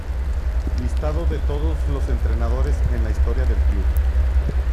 Listado de todos los entrenadores en la historia del club.